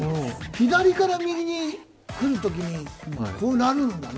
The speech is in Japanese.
左から右に見るとこうなるんだね。